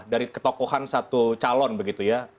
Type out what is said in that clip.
dari ketokohan satu calon begitu ya